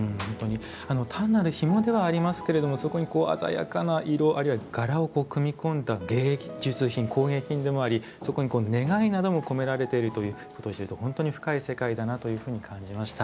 単なるひもではありますけれどもそこに鮮やかな色あるいは柄を組み込んだ芸術品工芸品でもありそこに願いなども込められているということを知ると本当に深い世界だなというふうに感じました。